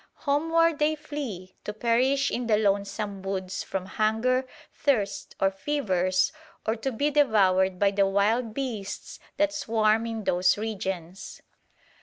Homeward they flee, to perish in the lonesome woods from hunger, thirst or fevers, or to be devoured by the wild beasts that swarm in those regions.